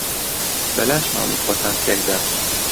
بەلاش ماڵی خۆتان تێک دا.